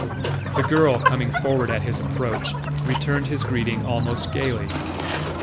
The girl, coming forward at his approach, returned his greeting almost gaily.